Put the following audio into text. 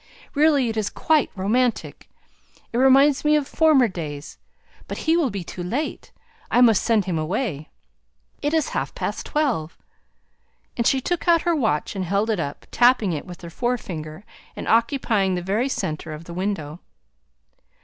"Really, it is quite romantic. It reminds me of former days but he will be too late! I must send him away; it is half past twelve!" And she took out her watch and held it up, tapping it with her forefinger, and occupying the very centre of the window.